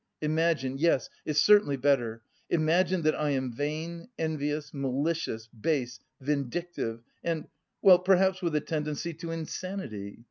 imagine yes, it's certainly better imagine that I am vain, envious, malicious, base, vindictive and... well, perhaps with a tendency to insanity.